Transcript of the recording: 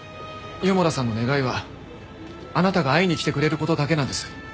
四方田さんの願いはあなたが会いに来てくれる事だけなんです。